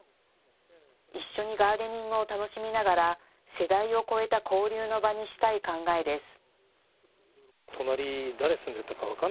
一緒にガーデニングを楽しみながら世代を超えた交流の場にしたい考えです。